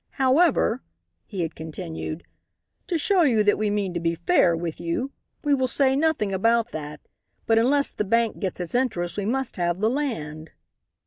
However," he had continued, "to show you that we mean to be fair with you we will say nothing about that, but unless the bank gets its interest we must have the land."